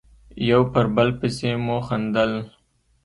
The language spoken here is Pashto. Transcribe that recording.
یو پر بل پسې مو خندل.